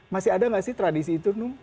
masih ada enggak sih tradisi itu num